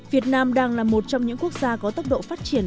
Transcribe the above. việt nam đang là một trong những quốc gia có tốc độ phát triển